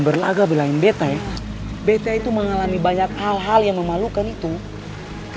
terima kasih werdehkan lagi sama anak kita